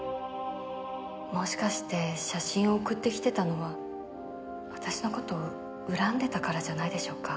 もしかして写真を送ってきてたのは私の事を恨んでたからじゃないでしょうか。